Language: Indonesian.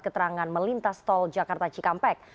keterangan melintas tol jakarta cikampek